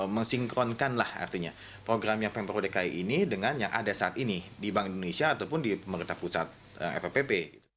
mensinkronkan lah artinya program yang pemperodekai ini dengan yang ada saat ini di bank indonesia ataupun di pemerintah pusat fppp